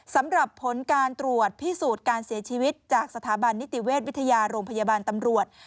สำหรับผลการตรวจพิสูจน์การเสียชีวิตจากสถาบันนิติเวชวิทยาโรงพยาบาลตำรวจ